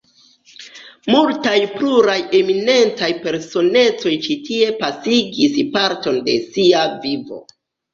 Multaj pluraj eminentaj personecoj ĉi tie pasigis parton de sia vivo.